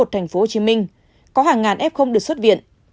một tp hcm có hàng ngàn f được xuất viện